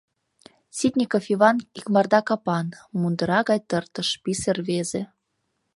Ситников Иван икмарда капан, мундыра гай тыртыш, писе рвезе.